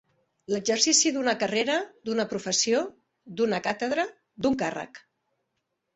L'exercici d'una carrera, d'una professió, d'una càtedra, d'un càrrec.